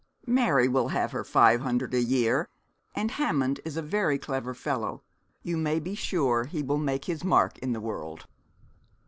'Mary will have her five hundred a year. And Hammond is a very clever fellow. You may be sure he will make his mark in the world.'